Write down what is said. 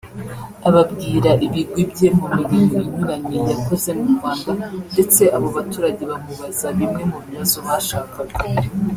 ababwira ibigwi bye mu mirimo inyuranye yakoze mu Rwanda ndetse abo baturage bamubaza bimwe mu bibazo bashakaga